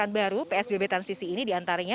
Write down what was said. dan baru psbb transisi ini diantaranya